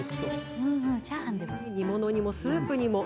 煮物にも、スープにも。